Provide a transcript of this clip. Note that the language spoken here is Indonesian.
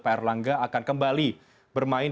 pr langga akan kembali bermain